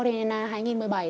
thì hai nghìn một mươi bảy đấy